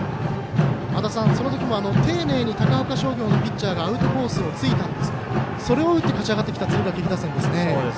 その時も丁寧に高岡商業のピッチャーがアウトコースをついたんですがそれを打って勝ちあがってきた敦賀気比打線ですね。